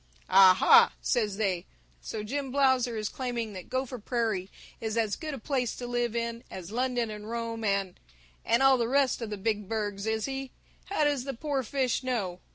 'Ah ha,' says they, 'so Jim Blausser is claiming that Gopher Prairie is as good a place to live in as London and Rome and and all the rest of the Big Burgs, is he? How does the poor fish know?'